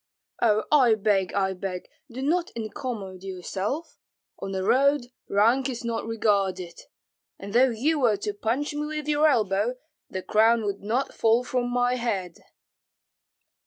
"Oh, I beg, I beg, do not incommode yourself. On the road rank is not regarded; and though you were to punch me with your elbow, the crown would not fall from my head."